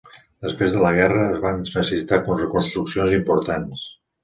Després de la guerra es van necessitar reconstruccions importants.